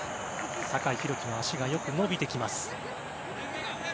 酒井宏樹の足がよく伸びてきます。